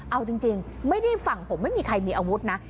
เอาจริงไม่ได้ฝั่งผมไม่มีใครมีอาวุธนะ